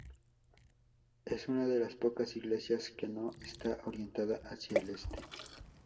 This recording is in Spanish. Es una de las pocas iglesias que no está orientada hacia el este.